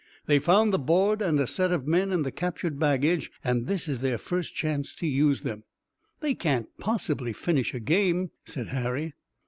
"They found the board and set of men in the captured baggage, and this is their first chance to use them." "They can't possibly finish a game," said Harry.